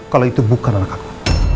kalau itu bukan anak aku